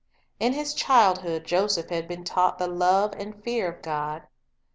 In his childhood, Joseph had been taught the love and fear of God.